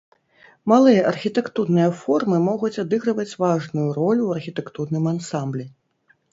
Малыя архітэктурныя формы могуць адыгрываць важную ролю ў архітэктурным ансамблі.